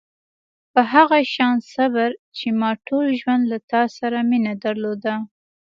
په هغه شان صبر چې ما ټول ژوند له تا سره مینه درلوده.